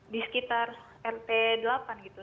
di sekitar rt delapan gitu